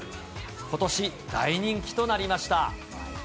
ことし、大人気となりました。